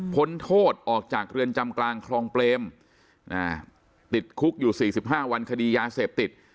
พ้นโทษออกจากเรือนจำกลางคลองเปรมติดคุกอยู่๔๕วันคดียาเสพติด